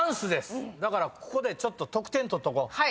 だからここで得点取っとこう。